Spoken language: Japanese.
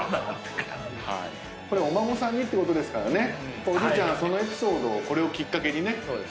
これお孫さんにってことですからおじいちゃんそのエピソードをこれをきっかけにね話していただけると。